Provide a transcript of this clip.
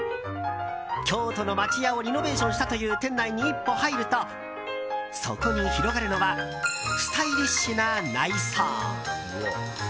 京都の町家をリノベーションしたという店内に１歩入るとそこに広がるのはスタイリッシュな内装。